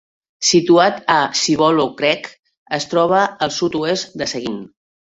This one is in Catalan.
Situat a Cibolo Creek, es troba al sud-oest de Seguin.